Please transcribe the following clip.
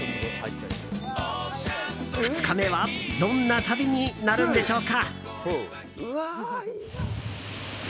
２日目はどんな旅になるのでしょうか？